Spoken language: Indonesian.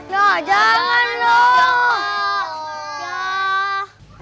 ya jangan loh